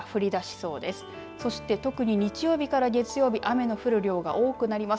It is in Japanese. そして、特に日曜日から月曜日雨の降る量が多くなります。